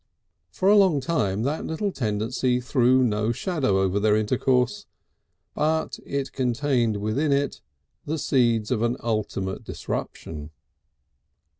For a long time that little tendency threw no shadow over their intercourse, but it contained within it the seeds of an ultimate disruption.